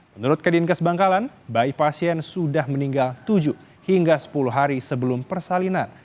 menurut kedinkes bangkalan bayi pasien sudah meninggal tujuh hingga sepuluh hari sebelum persalinan